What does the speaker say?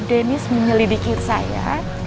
dennis menyelidiki saya